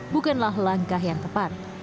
bukanlah langkah yang tepat